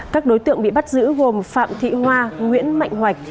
các đối tượng bị bắt giữ gồm phạm thị hoa nguyễn mạnh